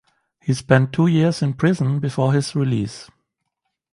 He spent two years in prison before his release.